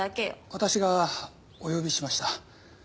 私がお呼びしました。